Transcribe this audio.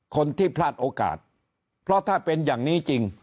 คนที่พลาดโอกาสเพราะถ้าเป็นอย่างนี้จริง